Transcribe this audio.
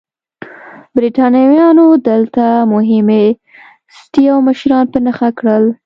برېټانویانو دلته مهمې سټې او مشران په نښه کړل.